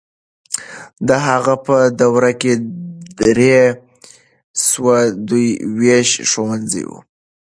د هغه په دوره کې درې سوه دوه ويشت ښوونځي وو.